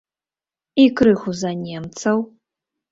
І крыху за немцаў.